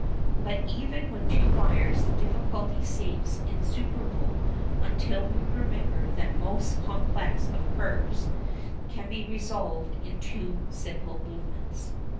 But even with two wires the difficulty seems insuperable until we remember that the most complex of curves can be resolved into two simple movements.